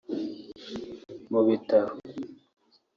mu bitaro